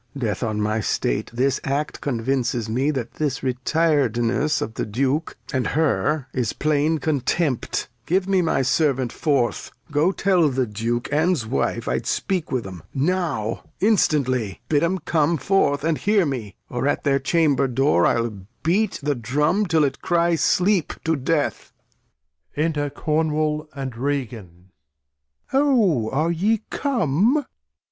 Death on my State, this Act convinces me That this Retiredness of the Duke and her Is plain Contempt ; give me my Servant forth ; Go tell the Duke and 's Wife I'd speak with 'em ; Now, instantly, bid 'em come forth and hear me ; Or at their Chamber Door I'll beat the Drum, 'TUl it cry sleep to Death. Enter Cornwal and Regan. Oh ! Are you come ? Duke.